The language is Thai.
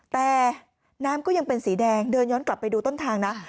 แต่น้ำก็ยังเป็นสีแดงเดินย้อนกลับไปดูต้นทางนะ